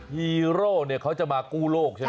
ฮีโร่เขาจะมากู้โลกใช่ไหม